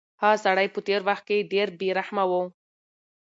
هغه سړی په تېر وخت کې ډېر بې رحمه و.